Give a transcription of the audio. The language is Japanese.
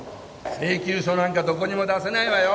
請求書なんかどこにも出せないわよ！